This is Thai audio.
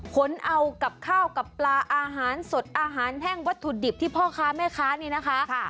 ผลเอากับข้าวกับปลาอาหารสดอาหารแห้งวัตถุดิบที่พ่อค้าแม่ค้านี่นะคะ